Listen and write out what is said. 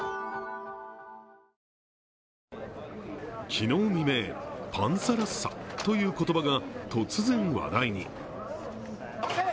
昨日未明、パンサラッサという言葉が突然話題に。